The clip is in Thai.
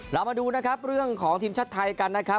เรามาดูนะครับเรื่องของทีมชาติไทยกันนะครับ